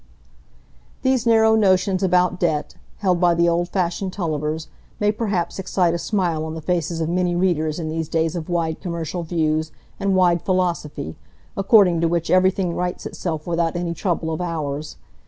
These narrow notions about debt, held by the old fashioned Tullivers, may perhaps excite a smile on the faces of many readers in these days of wide commercial views and wide philosophy, according to which everything rights itself without any trouble of ours.